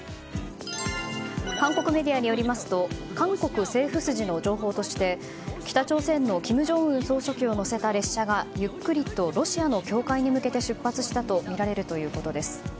韓国メディアによりますと韓国政府筋の情報として北朝鮮の金正恩総書記を乗せた列車がゆっくりとロシアの境界に向けて出発したとみられるということです。